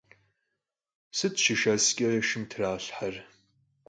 Sıt şışşesç'e şşım tralhher?